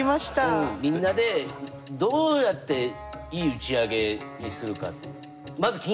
うんみんなでどうやっていい打ち上げにするか。